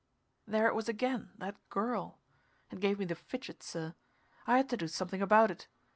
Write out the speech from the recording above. There it was again, that "girl." It gave me the fidgets, sir. I had to do something about it.